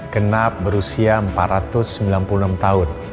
kenap berusia empat ratus sembilan puluh enam tahun